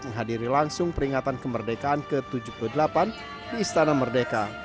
menghadiri langsung peringatan kemerdekaan ke tujuh puluh delapan di istana merdeka